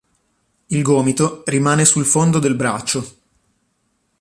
Il gomito rimane sul fondo del braccio.